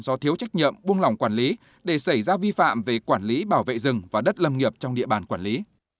do thiếu trách nhiệm buông lỏng quản lý để xảy ra vi phạm về quản lý bảo vệ rừng và đất lâm nghiệp trong địa bàn quản lý